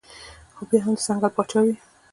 خو بيا هم د ځنګل باچا وي